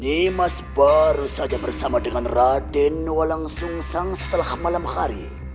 nimas baru saja bersama dengan raden walau susah setelah malam hari